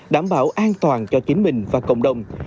đảm bảo an toàn cho chính mình và cộng đồng